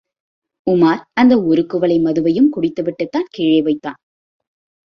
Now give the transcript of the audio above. உமார் அந்த ஒரு குவளை மதுவையும் குடித்து விட்டுத்தான் கீழே வைத்தான்.